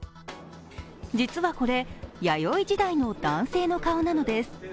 実はこれ、弥生時代の男性の顔なのです。